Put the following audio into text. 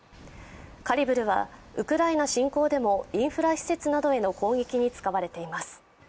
カリブルはウクライナ侵攻でもインフラ施設などへの攻撃に使われています。